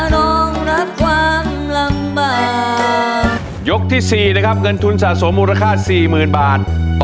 น้องรับความลำบากยกที่๔นะครับเงินทุนสะสมมูลค่าสี่หมื่นบาท